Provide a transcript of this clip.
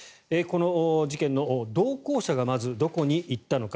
この事件の同行者がまずどこに行ったのか。